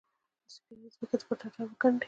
د سپیرې مځکې، پر ټټر ورګنډې